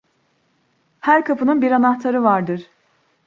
Her kapının bir anahtarı vardır.